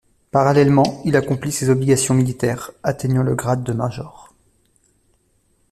Parallèlement, il accomplit ses obligations militaires, atteignant le grade de major.